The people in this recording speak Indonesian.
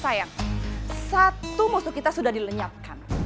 sayang satu musuh kita sudah dilenyapkan